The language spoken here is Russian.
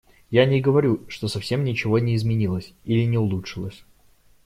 Я не говорю, что совсем ничего не изменилось или не улучшилось.